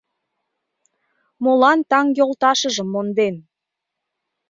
Молан таҥ йолташыжым монден?